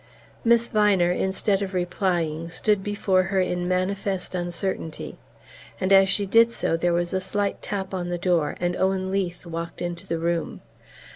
Miss Viner, instead of replying, stood before her in manifest uncertainty, and as she did so there was a light tap on the door, and Owen Leath walked into the room.